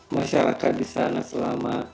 masyarakat di sana selama